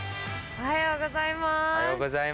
おはようございます。